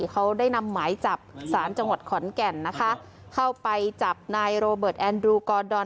เขาได้นำหมายจับสารจังหวัดขอนแก่นนะคะเข้าไปจับนายโรเบิร์ตแอนดรูกอดอน